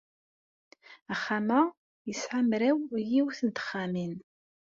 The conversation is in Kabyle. Axxam-a yesɛa mraw yiwet n texxamin.